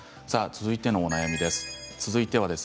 続いてのお悩みです。